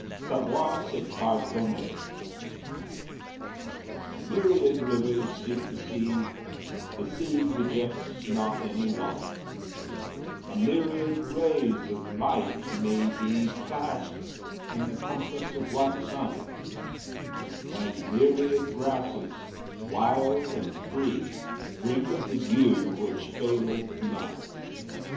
SAVOIR C'EST PARDONNER. Myriad rivers seek the sea, The sea rejects not any one; A myriad rays of light may be Clasped in the compass of one sun; And myriad grasses, wild and free, Drink of the dew which faileth none.